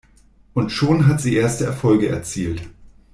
Und schon hat sie erste Erfolge erzielt.